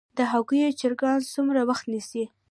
د هګیو چرګان څومره وخت نیسي؟